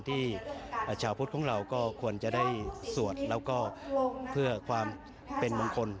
ที่ชาวพุทธของเราก็ควรจะได้สวดแล้วก็เพื่อความเป็นมงคล